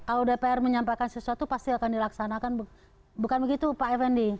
kalau dpr menyampaikan sesuatu pasti akan dilaksanakan bukan begitu pak effendi